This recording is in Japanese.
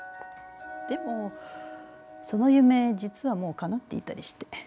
でもその夢実はもうかなっていたりして。